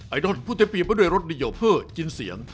ไอดอลผู้เต็มปีนมาด้วยรสดิโยเภอจินเสียง